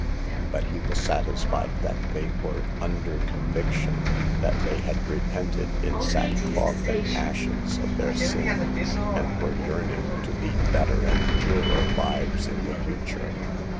But he was satisfied that they were under conviction, that they had repented, in sackcloth and ashes, of their sins, and were yearning to lead better and purer lives in the future.